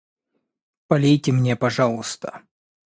Полейте мне, пожалуйста.